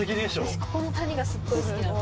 私ここの谷がすっごい好きなの。